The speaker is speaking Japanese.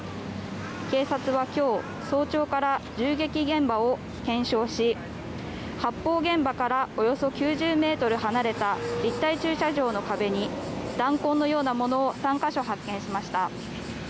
警察は今日、早朝から銃撃現場を検証し発砲現場からおよそ９０ｍ離れた立体駐車場の壁に弾痕のようなものを３か所発見しました。